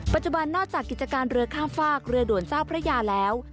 ปัจจุบันนอกจากกิจการเรือข้ามฟากเรือโดรเจ้าพระยาแล้ว